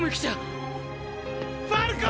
ファルコ！！